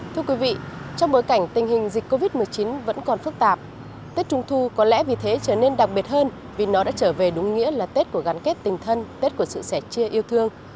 thưa quý vị trong bối cảnh tình hình dịch covid một mươi chín vẫn còn phức tạp tết trung thu có lẽ vì thế trở nên đặc biệt hơn vì nó đã trở về đúng nghĩa là tết của gắn kết tình thân tết của sự sẻ chia yêu thương